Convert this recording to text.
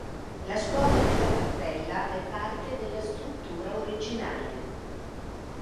La scuola della cappella è parte della struttura originale.